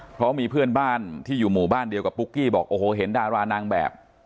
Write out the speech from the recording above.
เพราะมีเพื่อนบ้านที่อยู่หมู่บ้านเดียวกับปุ๊กกี้บอกโอ้โหเห็นดารานางแบบ